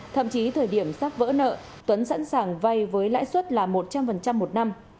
thậm chí thời điểm sắp vỡ nợ tuấn sẵn sàng vay với lãi suất là một trăm linh một năm